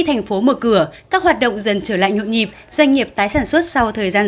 thành phố mở cửa các hoạt động dần trở lại nhộn nhịp doanh nghiệp tái sản xuất sau thời gian